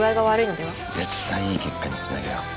絶対いい結果に繋げよう。